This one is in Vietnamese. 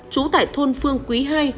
trú tại thôn phương quý ii